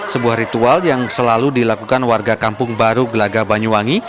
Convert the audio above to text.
sebuah ritual yang selalu dilakukan warga kampung baru gelaga banyuwangi